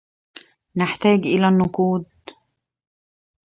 نحتاج الى النقود